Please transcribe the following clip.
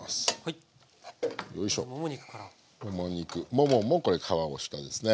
もももこれ皮を下ですね。